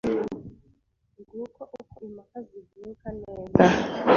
Nguko uko impaka zivuka neza.